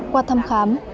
qua thăm khám